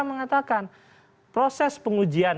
mengatakan proses pengujian